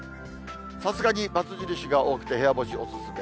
さすがにばつ印が多くて、部屋干しお勧め。